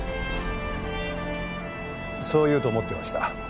そう言うと思ってました。